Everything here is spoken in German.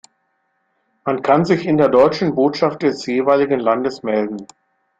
Man kann sich in der deutschen Botschaft des jeweiligen Landes melden.